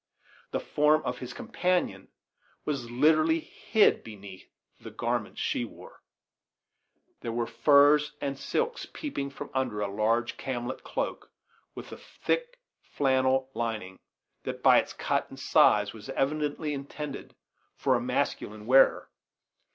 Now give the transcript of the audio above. The form of his companion was literally hid beneath the garments she wore. There were furs and silks peeping from under a large camlet cloak with a thick flannel lining, that by its cut and size was evidently intended for a masculine wearer.